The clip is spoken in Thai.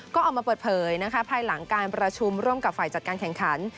ก็ออกมาเปิดเผยนะคะภายหลังการประชุมร่วมกับฝ่ายจัดการแข่งขัน